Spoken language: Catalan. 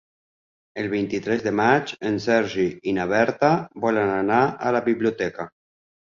El vint-i-tres de maig en Sergi i na Berta volen anar a la biblioteca.